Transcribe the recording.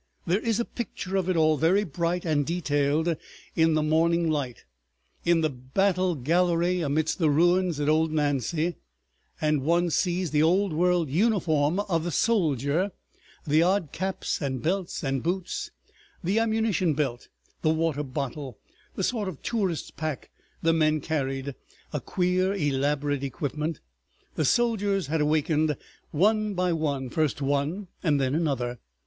There is a picture of it all, very bright and detailed in the morning light, in the battle gallery amidst the ruins at old Nancy, and one sees the old world uniform of the "soldier," the odd caps and belts and boots, the ammunition belt, the water bottle, the sort of tourist's pack the men carried, a queer elaborate equipment. The soldiers had awakened one by one, first one and then another.